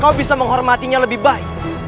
kau bisa menghormatinya lebih baik